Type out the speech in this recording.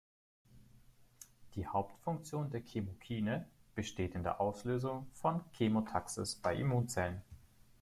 Die Hauptfunktion der Chemokine besteht in der Auslösung von Chemotaxis bei Immunzellen.